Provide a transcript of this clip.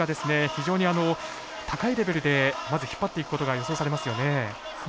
非常に高いレベルでまず引っ張っていくことが予想されますよね。